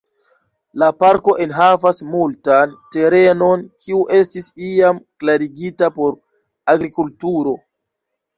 La parko enhavas multan terenon kiu estis iam klarigita por agrikulturo.